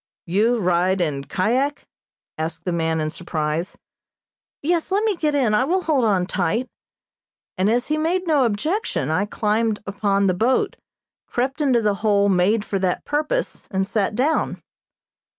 "You ride in kyak?" asked the man in surprise. "Yes, let me get in, I will hold on tight," and, as he made no objection, I climbed upon the boat, crept into the hole made for that purpose and sat down.